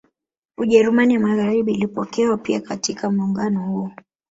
Ujerumani ya Magaharibi ilipokewa pia katika muungano huo